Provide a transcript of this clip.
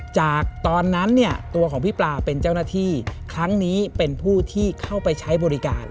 จากตอนนั้นเนี่ยตัวของพี่ปลาเป็นเจ้าหน้าที่ครั้งนี้เป็นผู้ที่เข้าไปใช้บริการ